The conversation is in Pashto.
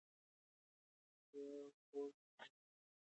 پېیر کوري د راډیوم په اړه معلومات شریک کړل.